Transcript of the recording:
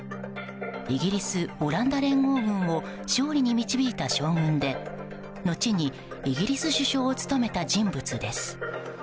イギリス・オランダ連合軍を勝利に導いた将軍で後にイギリス首相を務めた人物です。